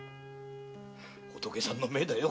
仏さんの前だよ。